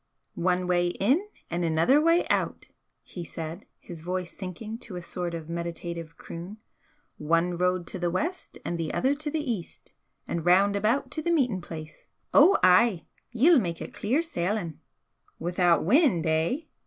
"One way in and another way out!" he said, his voice sinking to a sort of meditative croon "One road to the West, and the other to the East! and round about to the meeting place! Ou ay! Ye'll mak it clear sailin'!" "Without wind, eh?"